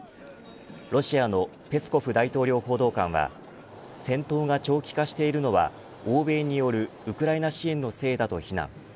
ロシアのペスコフ大統領報道官は戦闘が長期化しているのは欧米によるウクライナ支援のせいだと非難。